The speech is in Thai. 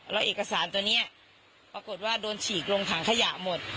แล้วเอกสารตัวนี้ปรากฏว่าโดนฉีกลงถังขยะหมด